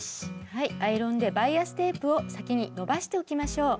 はいアイロンでバイアステープを先に伸ばしておきましょう。